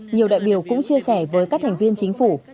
nhiều đại biểu cũng chia sẻ với các thành viên chính phủ